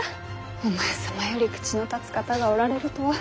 お前様より口の立つ方がおられるとは。